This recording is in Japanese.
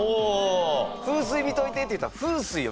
封水見といてって言ったら。